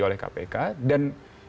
oleh kpk dan